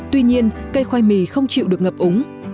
tuy nhiên cây khoai mì không chịu được ngập úng